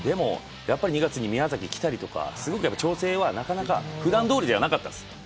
２月に宮崎に来たりとか調整がなかなか普段どおりではなかったです。